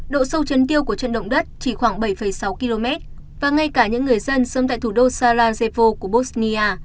độ sâu chấn tiêu của trận động đất chỉ khoảng bảy sáu km và ngay cả những người dân sống tại thủ đô sarajevo của bosnia